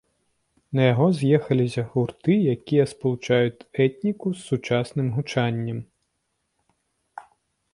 На яго з'ехаліся гурты, якія спалучаюць этніку з сучасным гучаннем.